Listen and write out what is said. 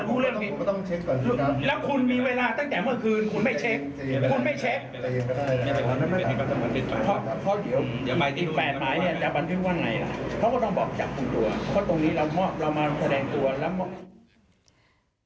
เพราะตรงนี้เรามอบเรามาแสดงตัว